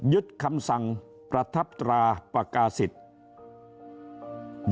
คำสั่งประทับตราประกาศิษย์